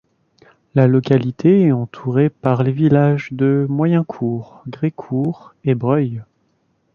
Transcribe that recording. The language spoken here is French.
La localité est entourée par les villages de Moyencourt, Grécourt et Breuil.